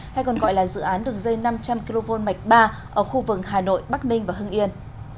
hay còn gọi là dự án đường dây năm trăm linh kv mạch ba ở khu vực hà nội bắc ninh và hưng yên